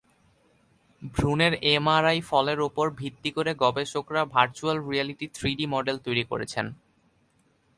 ভ্রূণের এমআরআই ফলের ওপর ভিত্তি করে গবেষকেরা ভার্চ্যুয়াল রিয়্যালিটি থ্রিডি মডেল তৈরি করেছেন।